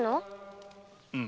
うん。